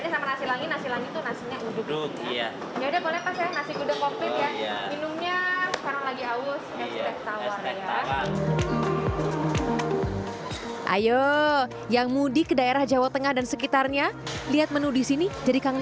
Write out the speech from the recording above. hai ayo yang mudik daerah jawa tengah dan sekitarnya lihat menu di sini jadi kangen